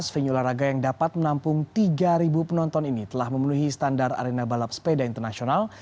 venue olahraga yang dapat menampung tiga penonton ini telah memenuhi standar arena balap sepeda internasional